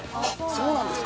そうなんですか。